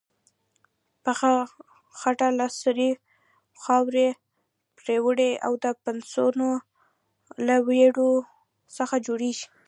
پخه خټه له سرې خاورې، پروړې او د پسونو له وړیو څخه جوړیږي.